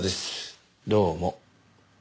どうも。